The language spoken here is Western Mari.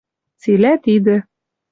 Цилӓ тидӹ